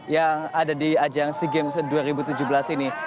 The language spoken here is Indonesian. yang ada di ajang sea games dua ribu tujuh belas ini